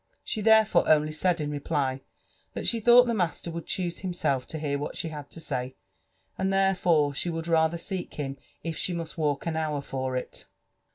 She therefore only said in reply, that she thought the master would choose himself to hear what she had to say, and therefore she would rather seek him if she must walk an hour for it.